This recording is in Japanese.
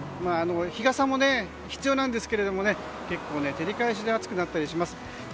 日傘も必要なんですが結構、照り返しで暑くなったりします。